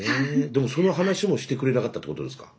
でもその話もしてくれなかったってことですか。